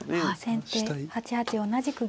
先手８八同じく玉。